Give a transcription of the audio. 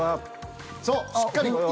そうしっかり。